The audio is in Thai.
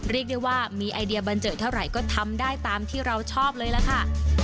เรียกได้ว่ามีไอเดียบันเจิดเท่าไหร่ก็ทำได้ตามที่เราชอบเลยล่ะค่ะ